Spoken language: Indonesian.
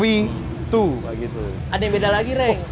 ada yang beda lagi reng